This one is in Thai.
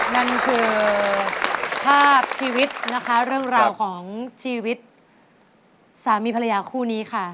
นั่นคือภาพชีวิตนะคะเรื่องราวของชีวิตสามีภรรยาคู่นี้ค่ะ